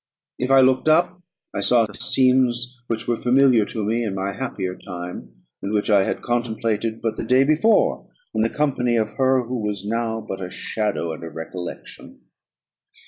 If I looked up, I saw the scenes which were familiar to me in my happier time, and which I had contemplated but the day before in the company of her who was now but a shadow and a recollection.